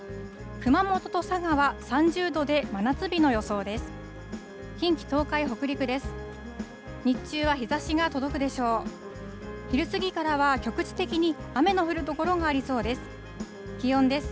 熊本と佐賀は３０度で、真夏日の予想です。